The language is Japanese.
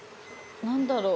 何だろう？